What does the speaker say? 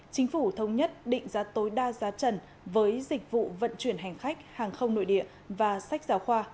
chính phủ thống nhất định giá tối đa giá trần với dịch vụ vận chuyển hành khách hàng không nội địa và sách giáo khoa